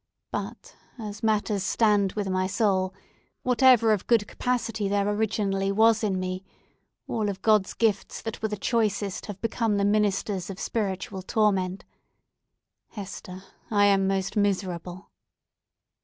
But, as matters stand with my soul, whatever of good capacity there originally was in me, all of God's gifts that were the choicest have become the ministers of spiritual torment. Hester, I am most miserable!"